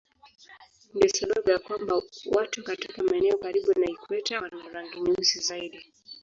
Ndiyo sababu ya kwamba watu katika maeneo karibu na ikweta wana rangi nyeusi zaidi.